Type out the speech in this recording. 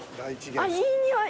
あっいい匂い！